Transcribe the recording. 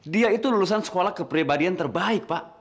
dia itu lulusan sekolah kepribadian terbaik pak